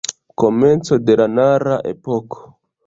Komenco de la Nara-epoko.